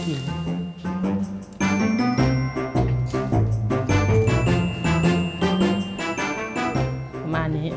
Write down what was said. ประมาณนี้